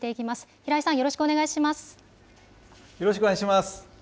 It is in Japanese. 平井さん、よろしくお願いします。